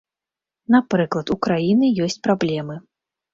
Напрыклад, у краіны ёсць праблемы.